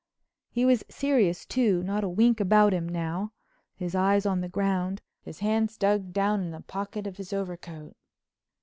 He was serious too, not a wink about him now, his eyes on the ground, his hands dug down in the pockets of his overcoat.